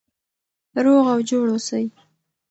روغ او جوړ اوسئ.